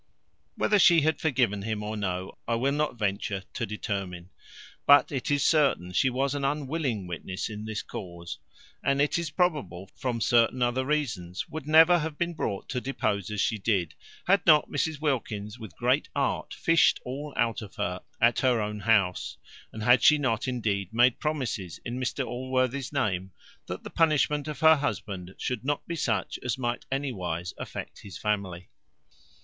Whether she had forgiven him or no, I will not venture to determine; but it is certain she was an unwilling witness in this cause; and it is probable from certain other reasons, would never have been brought to depose as she did, had not Mrs Wilkins, with great art, fished all out of her at her own house, and had she not indeed made promises, in Mr Allworthy's name, that the punishment of her husband should not be such as might anywise affect his family.